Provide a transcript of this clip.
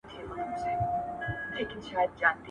د کندهار پوهنتون انګړونه له درختو ډک دي.